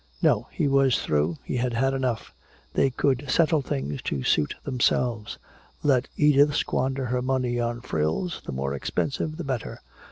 No, he was through, he had had enough. They could settle things to suit themselves. Let Edith squander her money on frills, the more expensive the better.